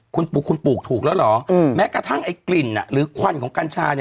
คุณปลูกคุณปลูกถูกแล้วเหรอแม้กระทั่งไอ้กลิ่นหรือควันของกัญชา